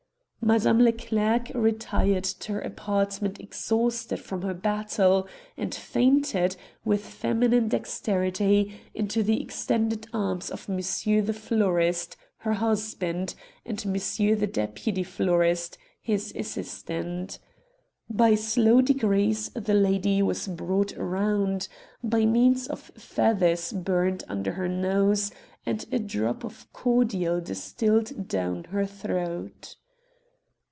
Madame Leclerc retired to her apartment exhausted from her battle, and fainted, with feminine dexterity, into the extended arms of monsieur the florist, her husband, and monsieur the deputy florist, his assistant. By slow degrees the lady was brought round, by means of feathers burned under her nose, and a drop of cordial distilled down her throat.